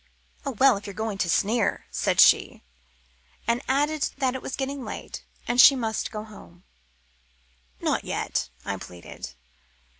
"Oh, well, if you're going to sneer!" she said, and added that it was getting late, and that she must go home. "Not yet," I pleaded.